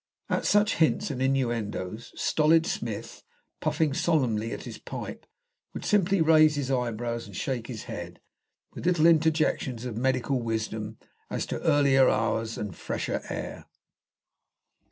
At such hints and innuendoes stolid Smith, puffing solemnly at his pipe, would simply raise his eyebrows and shake his head, with little interjections of medical wisdom as to earlier hours and fresher air.